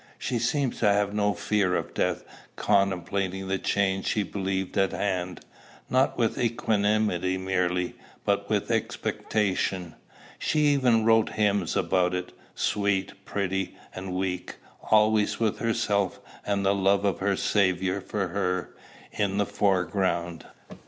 She seemed to have no fear of death, contemplating the change she believed at hand, not with equanimity merely, but with expectation. She even wrote hymns about it, sweet, pretty, and weak, always with herself and the love of her Saviour for her, in the foreground.